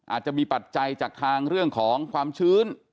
อาจจะมีปัจจัยจากทางเรื่องของความชื้น